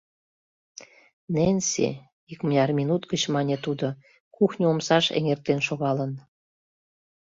— Ненси, — икмыняр минут гыч мане тудо, кухньо омсаш эҥертен шогалын.